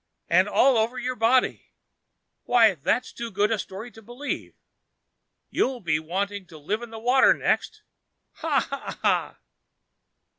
and all over your body? Why, that's too good a story to believe! You'll be wanting to live in the water next. Ha! Ha! Ha!"